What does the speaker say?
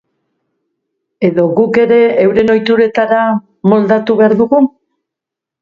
Edo, guk ere, euren ohituretara moldatu behar dugu?